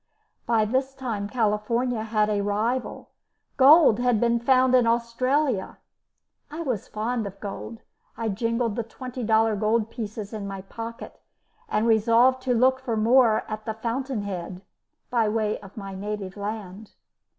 By this time California had a rival; gold had been found in Australia. I was fond of gold; I jingled the twenty dollar gold pieces in my pocket, and resolved to look for more at the fountainhead, by way of my native land.